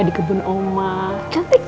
di kebun oma cantik